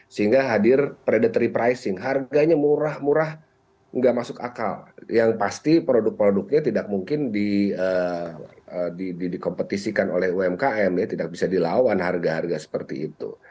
sehingga hadir predatory pricing harganya murah murah tidak masuk akal yang pasti produk produknya tidak mungkin dikompetisikan oleh umkm tidak bisa dilawan harga harga seperti itu